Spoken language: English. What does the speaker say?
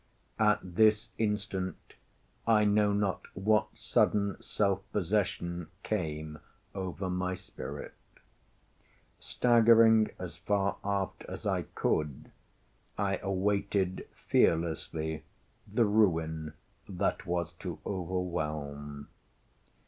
At this instant, I know not what sudden self possession came over my spirit. Staggering as far aft as I could, I awaited fearlessly the ruin that was to overwhelm.